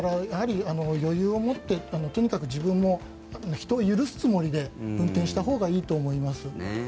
余裕を持ってとにかく自分も人を許すつもりで運転したほうがいいと思います。